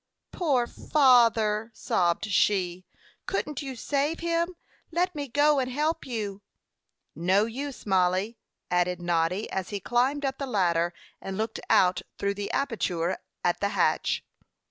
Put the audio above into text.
"Poor father," sobbed she. "Couldn't you save him? Let me go and help you." "No use, Mollie," added Noddy, as he climbed up the ladder, and looked out through the aperture at the hatch.